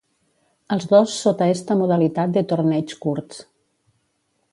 Els dos sota esta modalitat de torneigs curts.